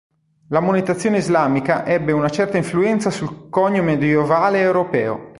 La monetazione islamica ebbe una certa influenza sul conio medievale europeo.